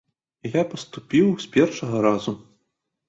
Я паступіў з першага разу.